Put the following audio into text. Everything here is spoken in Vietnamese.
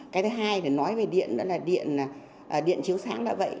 cái thứ hai là nói về điện nữa là điện chiếu sáng đã vậy